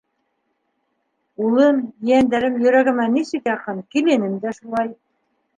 Улым, ейәндәрем йөрәгемә нисек яҡын, киленем дә шулай.